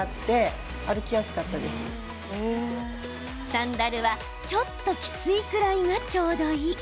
サンダルは、ちょっときついくらいがちょうどいい。